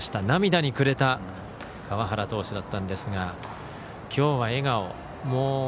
涙にくれた川原投手だったんですがきょうは笑顔。